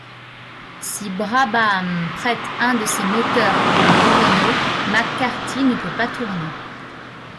Si Brabham prête un de ses moteurs pour Moreno, McCarthy ne peut pas tourner.